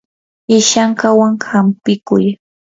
ishankawan hampikuy.